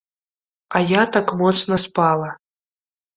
А я так моцна спала.